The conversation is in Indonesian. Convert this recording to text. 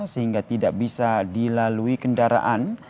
sehingga tidak bisa dilalui kendaraan